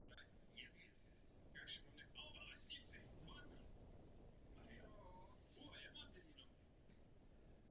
Pro čínský trh bylo provedeno několik specifických úprav karoserie.